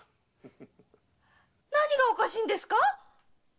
何がおかしいんですか？